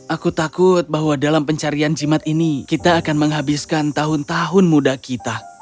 aku takut bahwa dalam pencarian jimat ini kita akan menghabiskan tahun tahun muda kita